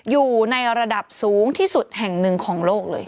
อยู่ในระดับสูงที่สุดแห่งหนึ่งของโลกเลย